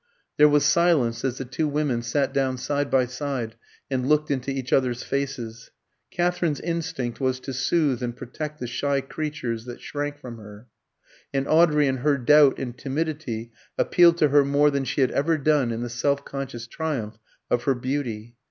There was silence as the two women sat down side by side and looked into each other's faces. Katherine's instinct was to soothe and protect the shy creatures that shrank from her, and Audrey in her doubt and timidity appealed to her more than she had ever done in the self conscious triumph of her beauty.